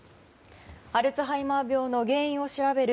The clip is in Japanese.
アルツハイマー病の原因を調べる